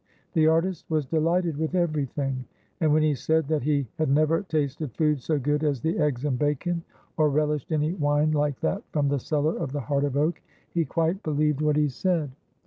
The artist was delighted with every thing, and when he said that he had never tasted food so good as the eggs and bacon, or relished any wine like that from the cellar of the Heart of Oak, he quite believed what he said.